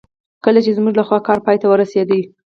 کله چې زموږ لخوا کار پای ته ورسېد.